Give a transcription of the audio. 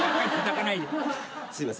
すいません。